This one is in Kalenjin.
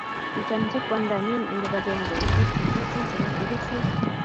Kichomchi kwandanyi eng kibagengeisiek che terchin chebo serisiet